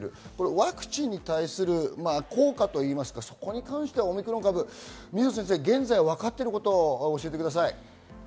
ワクチンに対する効果、そこに関してはオミクロン株、現在分かっていることを教えてください。